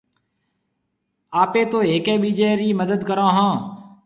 اپَي تو هيَڪي ٻِيجي رِي مدد ڪرون هون